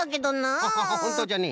ハハハほんとじゃね。